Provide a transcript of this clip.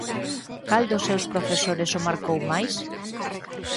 Cal dos seus profesores o marcou máis?